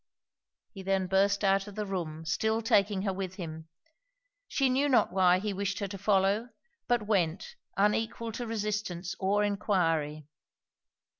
He then burst out of the room, still taking her with him. She knew not why he wished her to follow; but went, unequal to resistance or enquiry.